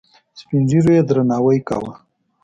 سپین ږیرو یې درناوی کاوه.